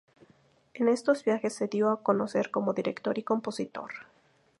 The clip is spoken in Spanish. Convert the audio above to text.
En estos viajes se dio a conocer como director y compositor.